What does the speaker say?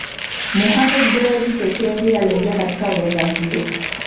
Mohammed Dewji pekee ndiye aliyeingia katika orodha hiyo